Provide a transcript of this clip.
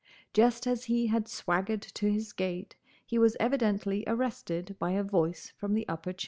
Just as he had swaggered to his gate he was evidently arrested by a voice from the upper chamber.